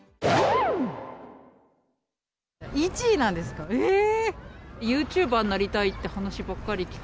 １位なんですか、えー！